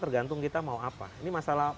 tergantung kita mau apa ini masalah